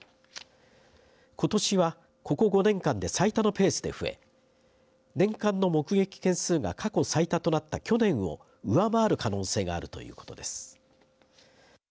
ことしは、ここ５年間で最多のペースで増え年間の目撃件数が過去最多となった去年を上回る可能性があるということです。